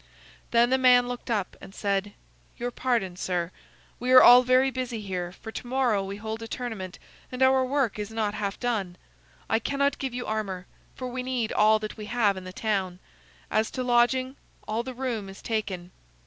Then the man looked up, and said: "Your pardon, sir. We are all very busy here, for to morrow we hold a tournament, and our work is not half done. I cannot give you armor, for we need all that we have in the town. As to lodging, all the room is taken.